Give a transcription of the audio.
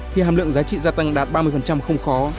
thì hàm lượng giá trị gia tăng đạt ba mươi không khó